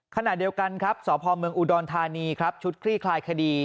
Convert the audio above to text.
ขณะเดียวกันครับสพเมืองอุดรธานีครับชุดคลี่คลายคดี